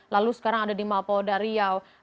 lalu sekarang ada di mapolda riau